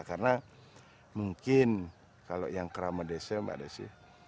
karena mungkin kalau yang kerama desa mbak desy